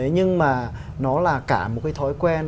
nhưng mà nó là cả một cái thói quen